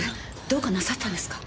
どうかなさったんですか？